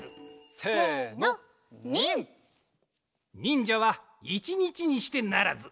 せのニン！にんじゃはいちにちにしてならず。